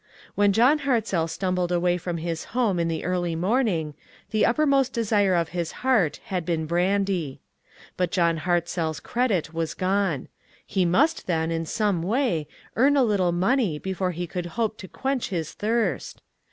When John Hartzell stumbled away from his home in the early morning, the upper most desire of his heart had been brandy. But John Hartzell's credit was gone. He must, then, in some way, earn a little mon ey before he could hope to quench his thirst.